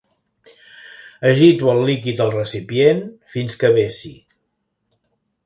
Agito el líquid al recipient fins que vessi.